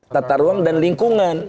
tata ruang dan lingkungan